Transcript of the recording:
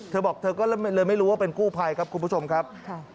เธอบอกเธอก็เลยไม่รู้ว่าเป็นกู้ภัยครับคุณผู้ชมครับ